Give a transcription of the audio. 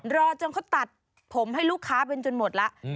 รอจนเขาตัดผมให้ลูกค้าเป็นจนหมดแล้ว